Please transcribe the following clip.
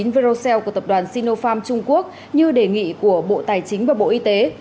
vercell của tập đoàn sinopharm trung quốc như đề nghị của bộ tài chính và bộ y tế